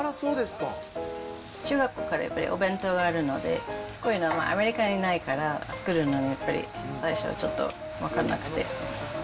中学校からやっぱりお弁当があるので、こういうの、アメリカにないから、作るのはやっぱり、最初はちょっと分からなくて。